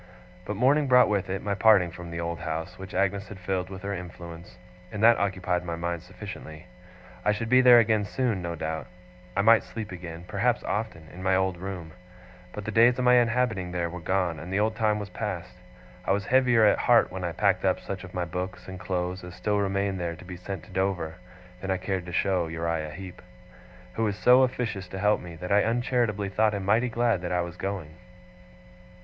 But morning brought with it my parting from the old house, which Agnes had filled with her influence; and that occupied my mind sufficiently. I should be there again soon, no doubt; I might sleep again perhaps often in my old room; but the days of my inhabiting there were gone, and the old time was past. I was heavier at heart when I packed up such of my books and clothes as still remained there to be sent to Dover, than I cared to show to Uriah Heep; who was so officious to help me, that I uncharitably thought him mighty glad that I was going.